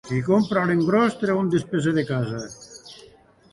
Qui compra a l'engròs treu un dispeser de casa.